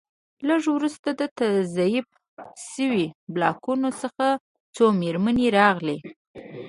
لږ وروسته د تصفیه شویو بلاکونو څخه څو مېرمنې راغلې